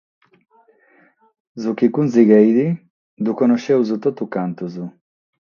Su chi cunsigheit ddu connoschimus totus cantos.